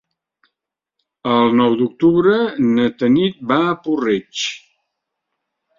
El nou d'octubre na Tanit va a Puig-reig.